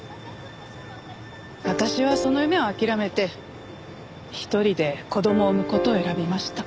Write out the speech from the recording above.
私はその夢を諦めて一人で子供を産む事を選びました。